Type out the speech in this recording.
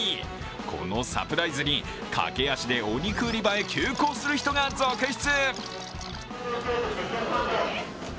このサプライズに駆け足でお肉売り場へ急行する人が続出！